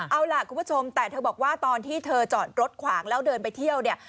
เอาล่ะคุณผู้ชมแต่เธอบอกว่าตอนที่เธอจอดรถขวางแล้วเดินไปเที่ยวเนี่ย